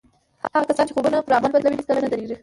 هغه کسان چې خوبونه پر عمل بدلوي هېڅکله نه درېږي